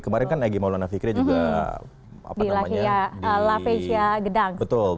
kemarin kan egy maulana fikri juga di la fesia gedang